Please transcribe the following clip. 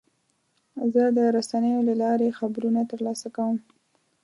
زه د رسنیو له لارې خبرونه ترلاسه کوم.